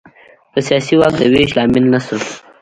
د سیاسي واک د وېش لامل نه شو.